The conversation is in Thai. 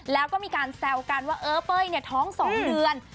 แล้วก็มีการแซวกันว่าเออเบ้ยท้องสองเดือน